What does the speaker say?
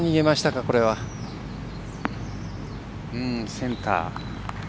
センター。